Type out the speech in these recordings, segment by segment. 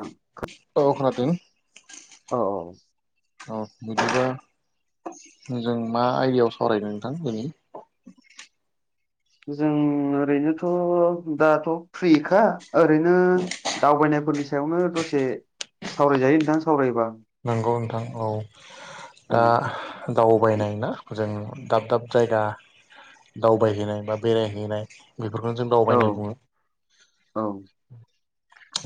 औ औ खोनादों औ औ औ बिदिबा जों मा आयदायाव सावरायनो नोंथां दिनै जों ओरैनोथ' दाथ' फ्रिखा ओरैनो दावबायनायफोरनि सायावनो दसे सावरायजायो नोंथां सावरायोबा। नंगौ नोंथां औ दा ओं दावबायनाय ना जों दाब दाब जायगा दावबायहैनाय बा बेरायहैनाय बेफोरखौनो जों औ दावबायनाय बुङो। औ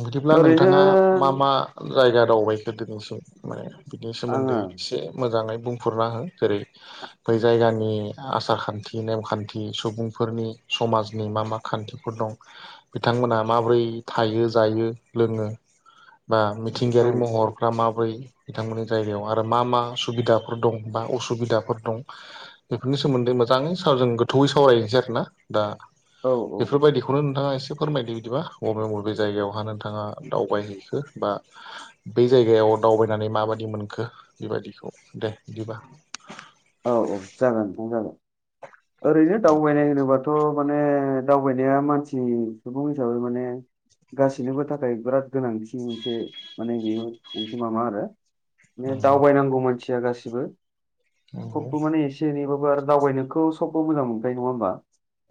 बिदिब्ला ओरैनो नोंथाङा मा मा जायगा दावबायखो दिनैसिम माने बिनि आङो सोमोन्दै एसे मोजाङै बुंफुरना हो जेरै बै जायगानि आसार खान्थि नेमखान्थि सुबुंफोरनि समाजनि मा मा खान्थि फोर दं बिथांमोनहा माबोरै थायो जायो लोङो बा औ मिथिंगायारि महरफ्रा मा ब्रै बिथांमोननि जायगायाव आरो मा मा सुबिदाफोर दं बा असुबिदाफोर दं बेफोरनि सोमोन्दै मोजाङै सानैजों गोथौवै सावरायनोसै आरोना दा औ औ बेफोरबायदि बेखौनो नोंथाङा एसे फोरमायदो बिदिबा बबे बबे जायगायावहा नोंथाङा दावबायहैखो बा बे जायगायाव दावबायनानै माबायदि मोनखो बेबायदिखौ दे बिदिबा औ औ जागोन बुं जागोन ओरैनो दावबायनाय होनोबाथ' माने दावबायनाया मानसि सुबुं हिसाबै माने गासैनोबो थाखाय बिराद गोनांथि मोनसे माने बेयो माबा आरोना माने नंगौ दावबायनांगौ मानसिया गासिबो नंगौ थेवबो माने एसे जेनेबाबो आरो दावबायनोखौ सबबो मोजां मोनखायो नङा होमबा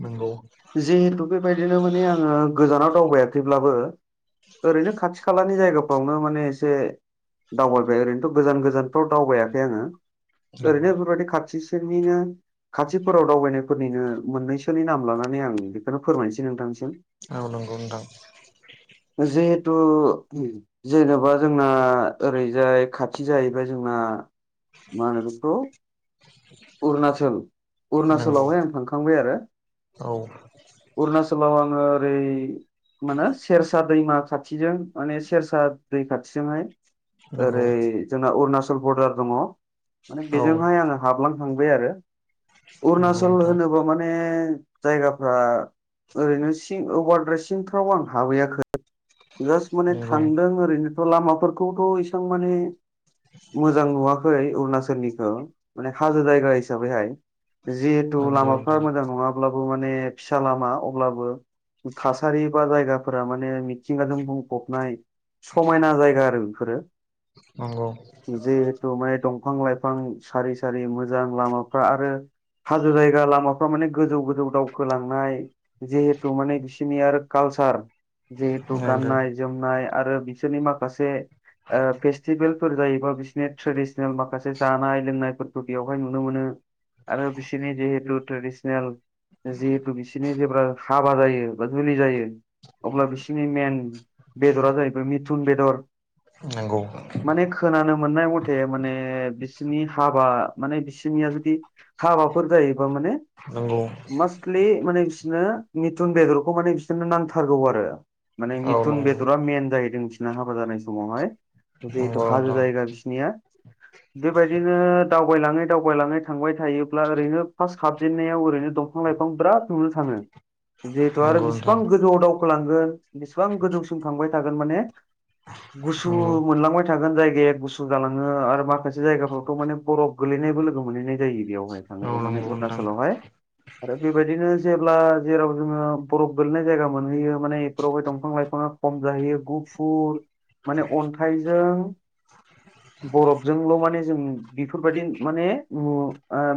नंगौ जिहेथु बेबायदिनो माने आङो गोजानाव दावबायाखैब्लाबो ओरैनो खाथि खालानि जायगायाव फावनो माने एसे दावबाय ओरैनोथ' गोजान गोजानफ्राव दावबायाखै आङो। नंगौ ओरैनो बेफोरबायदि खाथिसनिनो फोराव दावबायनायफोरनिनो मोननैसोनि नाम लानानै आं बेखौनो फोरमायनोसै नोंथांसिम औ नोंगौ नोंथां जिहेतु जेनेबा जोंना ओरैजाय खाथि जाहैबाय जोंना मा होन बेखौ अरुणचल नंगौ अरुणचलावहाय आं थांखांबाय आरो औ अरणाचल आं आरो माने सेरसा दैमा खाथिजों माने सेरसा दै खाथिजोंहाय नंगौ ओरै जोंना अरुणचल बरदार दङ माने औ बेजोंहाय आङो हाबलां खांबाय आरो नंगौ अरुणचल नोंथां होनोबा माने जायगाफ्रा ओरैनो सिं अभारद्राय सिंफ्राव आं हाबहैयाखै जास्ट माने नंगौ थांदों ओरैनोथ' लामाफोरखौथ' इसबां माने मोजां नुवाखै अरुणाचलनिखौ माने हाजो जायगा हिसाबैहाय जिहेथु नंगौ लामाफ्रा नोंथां मोजां नङा अब्लाबो माने फिसा लामा अब्लाबो थासारि बा जायगाफोरा माने मिथिंगाजों बुंफबनाय समायना जायगा आरो बेफोरो नंगौ जे माने दंफां लाइफां सारि सारि मोजां लामाफ्रा आरो हाजो जायगा लामाफ्रा माने गोजौ गोजौ दावखोलांनाय जिहेथु माने बिसनि आरो कालसार जिहेतु नंगौ गाननाय जोमनाय आरो बिसोरनि माखासे फेसटिभेल फोर जायोबा बिसोरनि माखासे जानाय लोंनायफोरखौ बेयावहाय नुनो मोनो आरो बिसोरनि जिहेतु ट्रेडिसनेल जिहेतु बिसोरनि जेब्ला हाबा जायो बा जुलि जायो अब्ला बिसोरनि मेन बेदरा जाहैबाय मिथुन बेदर नांगौ माने खोनानो मोननाय मथे माने बिसिनि हाबा माने बिसोरनिया जुदि हाबाफोर जायोबा माने नोंगौ खालि माने बिसोरनो मिथुन बेदरखौ माने बिसोरनो नांथारगौ आरो माने औ मिथुन नंगौ बेदरा मेन जाहैदों बिसोरना हाबा जानाय समावहाय जिहेथु नंगौ हाजो नोंथां जायगा बिसनिया बेबायदिनो दावबायलाङै दावबायलाङै थांबाय थायोब्ला ओरैनो फार्स्ट गाबजेननायाव ओरैनो दंफां लाइफां बिराद नो थाङो जिहेथु आरो बेसेबां गोजौआव दावखोलांगोन बेसेबां गोजौसिम थांबाय थागोन माने गुसु नंगौ मोनलांबाय थागोन थागोन जायगायाव गुसु जालाङो आरो माखासे जायगाफ्रावथ' माने बरफ गोगलैनायबो लोगो मोनहैनाय जायो। बेयावहाय थाङांगौ माने नोंथां अरुणाचलावहाय आरो बेबायदिनो जेब्ला जेराव जोङो बरफ गोलैनाय जायगा मोनहैयो माने बेफोरावहाय दंफां लाइफाङा खम जाहयो गुफुर माने अन्थाइजों बरफजोंल' माने जों बेफोरबायदि माने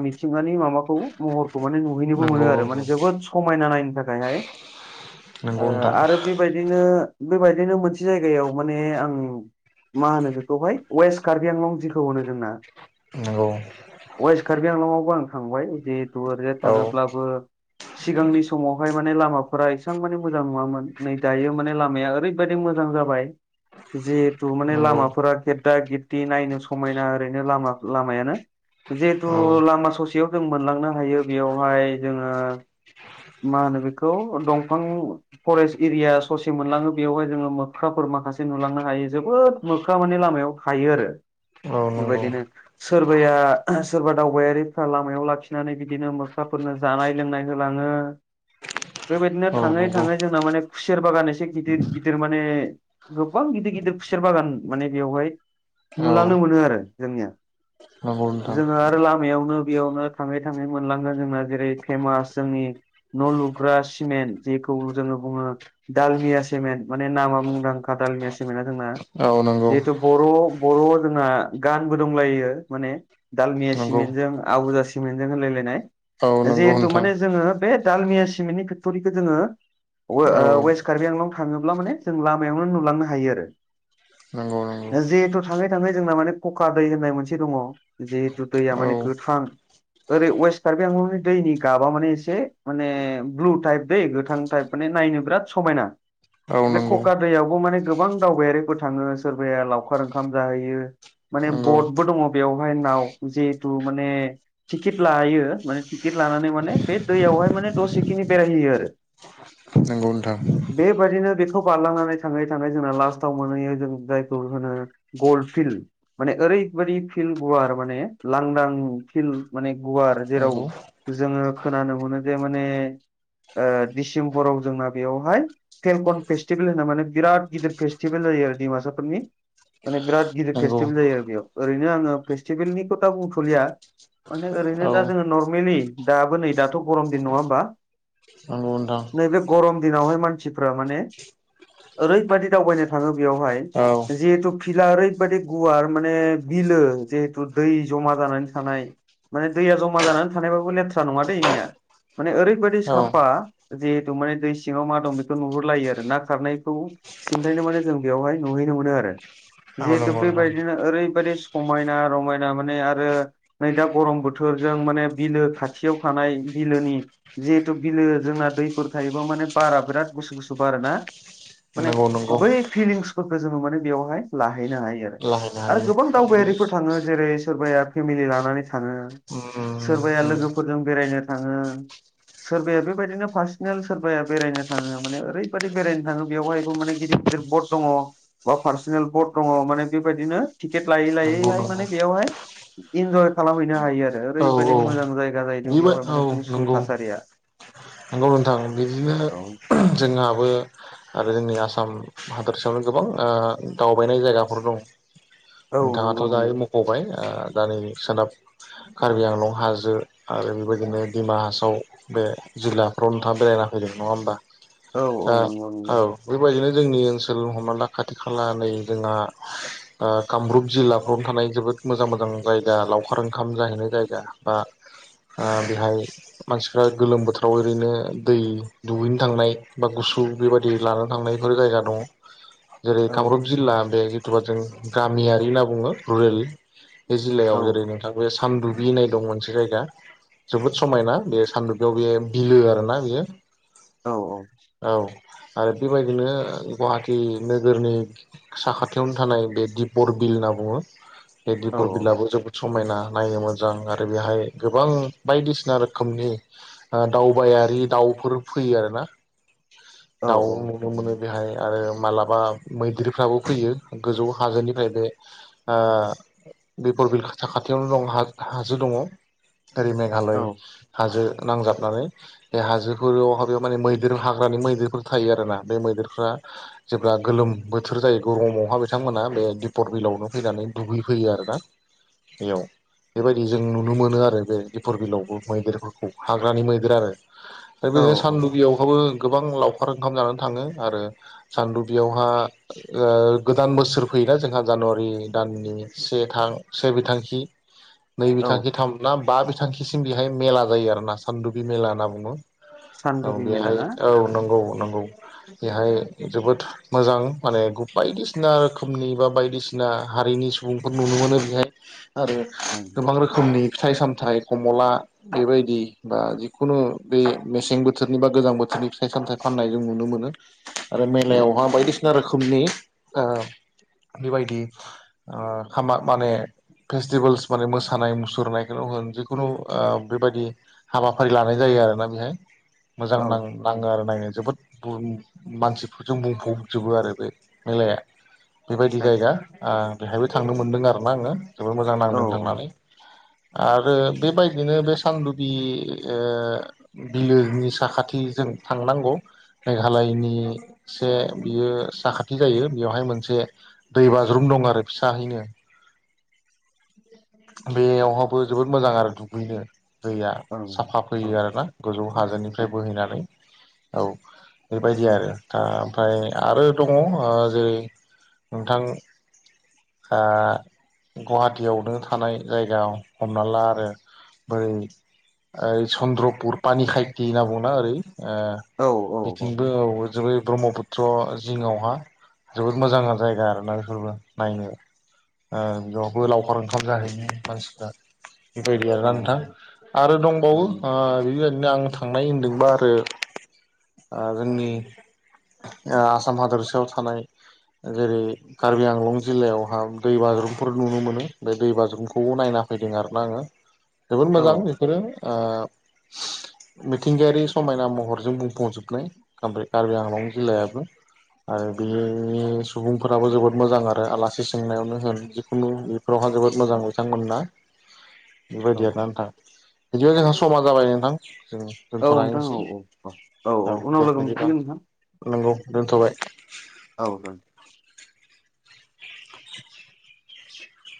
मिथिंगानि माबाखौ महरखौ माने नुहैनोबो नंगौ मोनो औ आरो माने जोबोद समायना नायनो थाखायहाय ओ नोंगौ नथां आरो बेबायदिनो बेबायदिनो मोनसे जायगायाव माने आं मा होनो बेखौहाय वेस्ट कार्बि आंलं जिखौ होनो जोंना नंगौ वेस्ट कार्बि आंलंआवबो आं थांबाय जिहेतु ओरजाय औ थाङोब्लाबो सिगांनि समावहाय माने लामाफोरा एसेबां माने मोजां नङामोन नै दायो माने लामाया ओरै बायदि मोजां जाबाय जिथु माने नंगौ लामाफोरा गेददा गेददि नायनो समायना ओरैनोा लामायानो जिहेथु औ लामा ससेयाव जों मोनलांनो हायो बेयावहाय जोङो मा होनो बेखौ दंफां फरेस्ट एरिया ससे मोनलाङो बेवहाय जोङो मोख्राफोर माखासे नुलांनो हायो जोबोद मोख्रा माने लामायाव थायो आरो औ नंगौ बेबायदिनो सोरबाया सोरबा दावबायारिफ्रा लामायाव लाखिनानै बिदिनो मोखाफोरनो जानाय लोंनाय होलाङो बेबायदिनो औ थाङै नंगौ थाङै जोंना माने खुसेर बागान एसे गिदिर गिदिर माने गोबां गिदिर गिदिर खुसेर बागान माने बेवहाय औ नुलांनो मोनोआरो जोंनिया नंगौ नोंथां जोङो आरो लामायावनो बेयावनो थाङै थाङै मोनलांगोन जोंना जेरै फेमास जोंनि न' लुग्रा सिमेन्ट जेखौ जोङो बुङो दडालमिया सेमेन्ट माने नामा मुंदांखा दालमिया सि सिमेना जोंना औ नंगौ जिहेथु बर' बर' जोंना गानबो दंलायो माने दालमिया नंगौ सिमेन्टजों आबुजा सिमेन्टजों होलायलायनाय औ नंगौ जिहेथु नोंथां माने जोङो बे दालमिया सिमेन्टनि फेक्टरिखौ जोङो वे ओ औ वेस्ट कार्बि आंलाव थाङोब्ला माने जों लामायावनो नुलांनो हायोआरो नांगौ नांगौ जिहेथु थाङै थाङै जोंना माने कक दै होननाय मोनस से दङ जिहेतु दैया औ माने गोथां ओरै वेस्ट कारबि आंलंनि दैनि गाबा माने एसे माने ब्लु टाइप दै गोथां टाइप माने नायनो बिराद समायना औ बे नंगौ कका दैयावबो माने गोबां दावबायारिफोर थाङो सोरबाया लावखार ओंखाम जाहैयो माने नंगौ बडबो दङ बेवहाय नाव जिहेतु माने टिकेट लायो माने टिकेट लानानै माने बे दैयावहाय माने दसेखिनि बेरायहैयोआरो [inaudible] नंगौ नोंथां बेबायदिनो बेखौ बारलांनानै थाङै थाङै जोंना लास्टआव मोनहैयो जों जायखौ होनो गल फिल्ड माने ओरै बायदि फिल्ड गुवार माने लांदां फिल्ड माने गुवार जेराव नंगौ जोङो खोनानो मोनो जे माने ओ डिसेम्बराव जोंना बेयावहाय फेलकन फेस्टिभेल होनना माने बिराद गिदिर फेस्टिभेल जायो आरो दिमासाफोरनि माने बिराद गिदिर नंगौ फेस्टिभेल जायो आरो बेयाव ओरैनो आङो फेस्टिभेलनि खोथा बुंथ'लिया माने ओरैनो औ दा जोङो नर्मेलि दाबो नै दाथ' गरम दिन नङा होमबा नोंगौ नोंथां नैबे गरम दिनावहाय मानसिफ्रा माने ओरैबादि दावबायनो थाङो बेयावहाय औ जिहेतु फिला ओरैबादि गुवार माने बिलो जिहेथु दै जमा जानानै थानाय माने दैया जमा जानानै थानायबाबो लेथ्रा नङा दैे इनिया माने ओरैबायाददि औ साफा जिहेथु माने दै सिङाव मा दं बेखौ नुहुरलायो आरो ना खारनायखौ सिन्थायनो माने जों बेवहाय नुहैनो मोनो आरो जिहेथु नंगौ नोंथां बेबायदिनो ओरैबायदि समायना रमायना माने आरो नै दा गरम बोथोरजों माने बिलो खाथियाव थानाय बिलोनि जिहेथु बिलो जोंना दैफोर थायोबा माने बारा बिराद गुसु गुसु बारोना माने नंगौ नंगौ बै फिलिंसफोरखौ जोङो माने बेवहाय लाहैनो हायो आरो लाहैनो आरो हायो गोबां दावबायारिफोर थाङो जेरै सोरबाया फेमिलि लानानै थाङो उम सोरबाया उम लोगोफोरजों बेरायनो थाङो सोरबाया बेबायदिनो पार्सनेल सोरबाया बेरायनो थाङो माने ओरैबायादि बेरायनो थाङो बेवहायबो माने गिदिर दिर बट दङ बा पार्सनेल बट दङ माने बेबायदिनो टि केट लायै नंगौ लायैहाय नंगौ माने बेयावहाय इन्जय खालामहैनो हायोआरो औ औ ओरैबायाददि मोजां जायगा जाहैदों बेबो बेवहाय औ माने गुसु नंगौ थासारिया [inaudible] नंगौ नोंथांं बिदिनो औ जोंहाबो आरो जोंनि आसाम हादरसायावनो गोबां ओ दावबायनाय जायगाफोर दं। औ नोंथाङाथ' नंगौ जाय नंगौ मख'बाय ओ दा नै सोनाब कार्बि आंलं हाजो आरो बेबायदिनो डिमा हासाव बे जिल्ला रनथा बेरायना फैदों नङा होमबा औ औ दा नंगौ औ नंगौ बेबायदिनो जोंनि ओनसोल हमना ला खाथि खाला नै जोंहा ओ कामरुप जिल्लाफ्रावनो थानाय जोबोद मोजां मोजां जायगा लावखार ओंखाम जाहैनाय जायगा। बा ओ बेहाय मानसिफ्रा गोलोम बोथोराव ओरैनो दै दुगैनो थांनाय बा गुसु बेबायदि लानो थांनाय बेफोर जायगा दङ। [inaudible] जेरै कामरुप जिल्ला बे जिथुबा जों गामियारि होनना बुङो रुरेल बे औ जिल्लायाव जेरै नोंथां बे सानदुब होननाय दं मोनसे जायगा जोबोद समायना बे सानदुबयाव बे बिलो आरोना बियो। औ औ औ आरो बेबायदिनो गुवाहाटि नोगोरनि साखाथियावनो थानाय बे दिपर बिल होनना बुङो बे औ दिपर बिलाआबो जोबोद समायना नायनो मोजां आरो बेहाय गोबां बायदिसिना रोखोमनि ओ दावबायारि दाउफोर फैयो आरो ना औ दाउ नुनो मोनो बेहाय आरो मालाबा मैदेरफ्राबो फैयो गोजौ हाजोनिफ्राय बे ओ दिफरबिल साखाथियावनो दं हाजो दङ [unintelligible] औ [unintelligible] हाजो नांजाब नानै बे हाजोफोरावह बेयाव माने मैदेर हाग्रानि मैदेरफोर थायो आरोना बे मैदेरफ्रा जेब्ला गोलोम बोथोर जायो गरमावहााय बिथांमोना बे दिपर बिलआवनो फैनानै दुगैफैयो आरोना बेयाव बेबायदि जों नुनो मोनो आरो बे दिफर बिलआवबो मैदेरफोरखौ हाग ग्रानि मैदेर आरो औ बिदिनो औ सानदुगियावहाबो गोबां लावखार ओंखाम जानानै थाङो आरो सान्दुबियावहा ओ गोदान बोसोर फैयोना जोंहा जानुवारि दाननि [unintelligible] [inaudible] नै बिथांखि थाम ना बा बिथांखिसिम बेहाय मेला जायो आरो ना सान्दुबि मेला होनना बुङो। औ सानदुबि मेला बेहाय ना औ नंगौ नंगौ बेहाय जोबोद मोजां माने बायदिसिना रोखोमनि बा बायदिसिना हारिनि सुबुंफोर नुनो मोनो बेहाय आरो औ गोबां रोखोमनि फिथाइ सामथाइ खमला बेबायदि बा जिखुनु बे मेसें बोथोरनि बा गोजां बोथोरनि फिथाइ सामथायाइ फाननाय जों नुनो मोनो। आरो मेलायावहा बायदिसिना रोखोमनि ओ बेबायदि ओ खामा माने फेस्टिभेल्स माने मोसानाय मुसुरनायखौनो होन जिखुनु ओ बेबायाददि हाबाफारि लानाय जायो आरोना बेहाय मोजां औ नां नाङो आरो ना एहाय जोबोद मानसिफोरजों बुंफबजोबो आरो बे मेलाया बेबायदि आदसा जायगा आ बेहायबो थांनो मोनदों आरोना आङो जोबोद मोजां औ नांदों थांनानै आरो बेबायदिनो बे सानदुबि ओ बिलोनि साखाथि जों थांनांगौ मेघालयनि से बियो साखाथि जायो बेवहाय मोनसे दै बाज्रुम दं आरो फिसाहैनो बेयावहाबो जोबोद मोजां आरो दुगैनो दैया औ साफा औ फैयो आरोना। गोजौ औ हाजोनिफ्राय बोहैनानै औ बेबायदि आरो दा ओमफ्राय आरो दङ ओ जेरै नोंथां आ गुवाहाटियाव नों थानाय जायगायाव हमना ला आरो बै ओइ चन्द्रपुर पानि खायथि होनना बुङोना ओरै ओ औ औ बिथिंबो औ ज यै ब्रह्म पु त्र जिङावहा जोबोद मोजां जायगा आरोना बेफोरबो नायनो ओ बेयावबो लावखार ओंखाब जाहैनाय मानसिफ्रा बेबायदि औ आरोना नोंथां आरो औ दंबावो ओ बेबायदिनो नो आं थांनाय होनदोंबा आरो जोंनि ओ आसाम हादरसायाव थानाय जेरै कार्बि आंलं जिल्लायावहा दै बाज्रुमफोर नुनो मोनो बे दै बाजुुमखौबो नायना फैदों आरोना आङो। जोबोद मोजां औ बेफोरो ओ मिथिंगायारि समायना महरजों बुंफबजोबनाय ओमफ्राय कार्बि आंलं जिल्लायाबो आरो बेनि सुबुंफोराबो जोबोद मोजां आरो आलासि सोंनायावनो होन जिखुनु फोरावहा जोबोद मोजां बिथांमोना औ बेबायदि आरोना नोंथां बिदिबा जोंहा समा जाबाय नोंथां जों नोंथां औ दोनथ'लसै औ औ औ उनाव दे लोगो बिदिबा मोनफिनगोन नोंथां नंगौ दोनथ'बाय औ [inaudible]